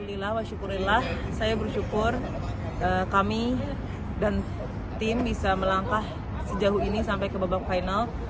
alhamdulillah wasyukurilah saya bersyukur kami dan tim bisa melangkah sejauh ini sampai ke babak final